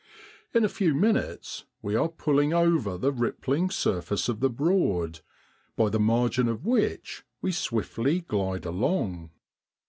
In a few minutes we are pulling over the rippling surface of the Broad, by the margin of which we swiftly glide along.